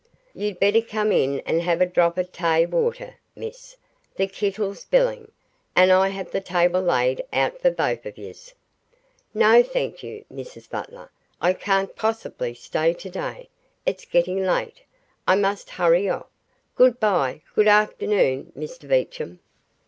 "You'd better come in an' 'ave a drop of tay warter, miss, the kittle's bilin'; and I have the table laid out for both of yez." "No, thank you, Mrs Butler. I can't possibly stay today, it's getting late. I must hurry off. Good bye! Good afternoon, Mr Beecham."